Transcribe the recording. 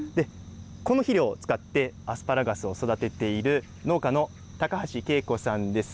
この肥料、使って、アスパラガスを育てている農家の高橋恵子さんです。